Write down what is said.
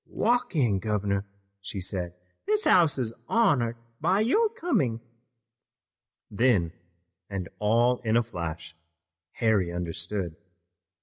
"Walk in, governor," she said. "This house is honored by your coming." Then, and all in a flash, Harry understood.